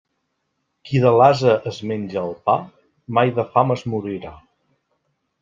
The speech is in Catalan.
Qui de l'ase es menja el pa, mai de fam es morirà.